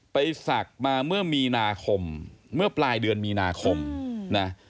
ศักดิ์มาเมื่อมีนาคมเมื่อปลายเดือนมีนาคมนะ